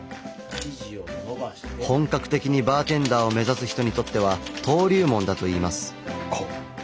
本格的にバーテンダーを目指す人にとっては登竜門だといいます。